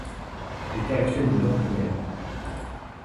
L'état actuel de l'orgue est moyen.